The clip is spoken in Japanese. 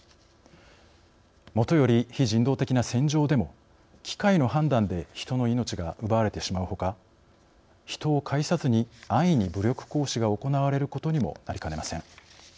もとより非人道的な戦場でも機械の判断で人の命が奪われてしまうほか人を介さずに安易に武力行使が行われることにもなりかねません。